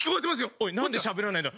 おいなんでしゃべらないんだ？